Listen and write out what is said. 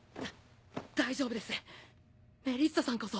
大丈夫ですメリッサさんこそ。